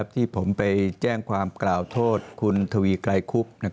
ที่ผมไปแจ้งความกล่าวโทษคุณทวีไกรคุบ